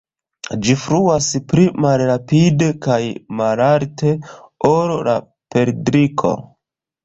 Ĝi flugas pli malrapide kaj malalte ol la perdriko.